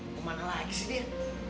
kemana lagi sih dia